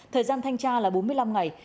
thời gian thanh tra là bốn mươi năm ngày